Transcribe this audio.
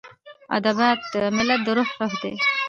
ادبیات د ملت د روح روح دی.